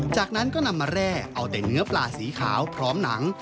จากนั้นก็นำมาแร่เอาแต่เนื้อปลาสีขาวพร้อมหนัง